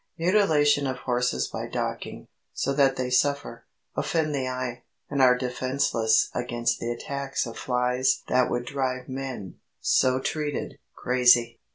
Mutilation of horses by docking, so that they suffer, offend the eye, and are defenceless against the attacks of flies that would drive men, so treated, crazy.